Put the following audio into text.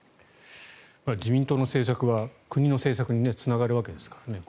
自民党の政策は国の政策につながるわけですからね。